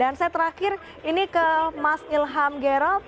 dan saya terakhir ini ke mas ilham gero